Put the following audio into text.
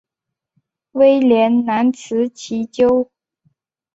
威廉难辞其咎。